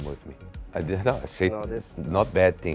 ไม่ใช่แบบโทษแต่ความจริง